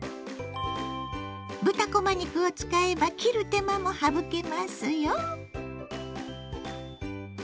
豚こま肉を使えば切る手間も省けますよ。